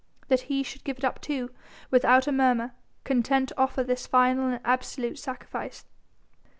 that he should give it up, too, without a murmur, content to offer this final and absolute sacrifice.